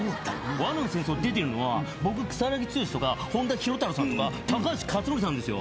『罠の戦争』出てるのは僕草剛とか本田博太郎さんとか高橋克典さんですよ。